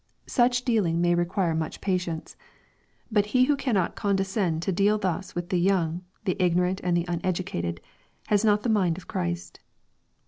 Such dealing may require much patience. But he who cannot condescend to deal thus with the young, the ignorant, and the uneducated, has not the mind of Christ.